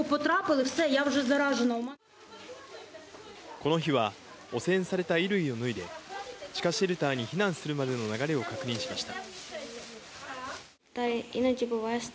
この日は、汚染された衣類を脱いで、地下シェルターに避難するまでの流れを確認しました。